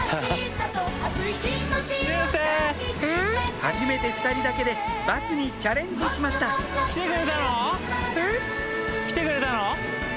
はじめて２人だけでバスにチャレンジしました来てくれたの？